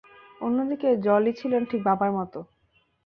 অন্যদিকে জলি ছিলেন ঠিক বাবার মতো।